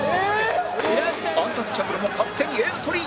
アンタッチャブルも勝手にエントリー